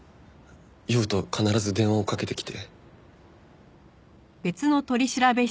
酔うと必ず電話をかけてきて。